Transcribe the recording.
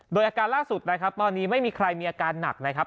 โดยอาการล่าสุดนะครับตอนนี้ไม่มีใครมีอาการหนักนะครับ